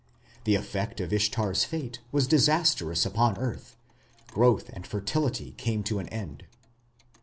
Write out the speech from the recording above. The effect of Ishtar's fate was disastrous upon earth: growth and fertility came to an end.